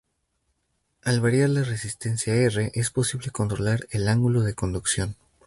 Al variar la resistencia R, es posible controlar el ángulo de conducción.